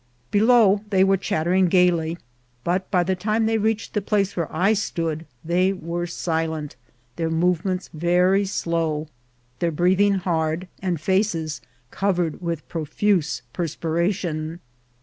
Below they were chattering gayly, but by the time they reached the place where I stood they were silent, their movements very slow, their breathing hard, and faces covered with profuse perspiration.